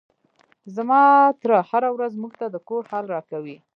زما تره هره ورځ موږ ته د کور حال راکوي.